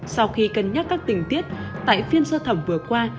sau khi cân nhắc các tình tiết tại phiên sơ thẩm vừa qua